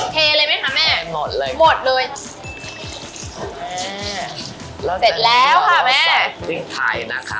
เทเลยมั้ยคะแม่แม่หมดเลยหมดเลยแม่เสร็จแล้วค่ะแม่แล้วใส่พริกไทยนะคะ